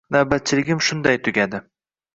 Navbatchiligim shunday tugadi